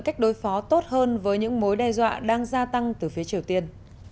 cách đối phó tốt hơn với những mối đe dọa đang gia tăng từ phía triều tiên